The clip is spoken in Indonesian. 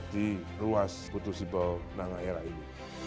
di ruas putus ibo nangak era ini